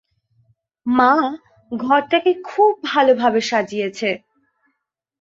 মা ঘরটাকে খুব ভালোভাবে সাজিয়েছে।